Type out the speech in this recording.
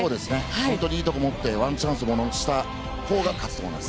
本当にいいところを持ってワンチャンスをものしたほうが勝つと思います。